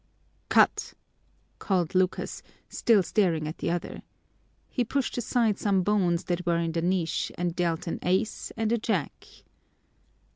"Cut!" called Lucas, still staring at the other. He pushed aside some bones that were in the niche and dealt an ace and a jack.